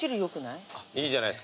いいじゃないっすか。